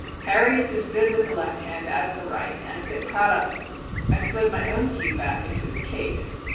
Harry is as good with the left hand as the right, and a bit proud of it. I slid my own cue back into its case.